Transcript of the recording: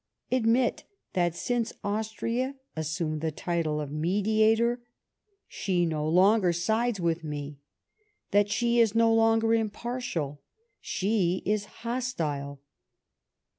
*' Admit, that since Austria assumed the title of mediator, she no longer sides with me, that she is no longer impartial ; she is hostile.